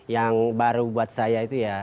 yang baru buat saya itu ya